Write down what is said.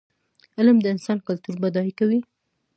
علم د انسان کلتور بډای کوي.